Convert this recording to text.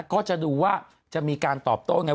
ก็จะดูว่าจะมีการตอบโต้ไง